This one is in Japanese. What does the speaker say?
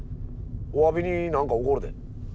おわびに何かおごるで。